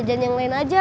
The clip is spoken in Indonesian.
hmm jajan yang lain aja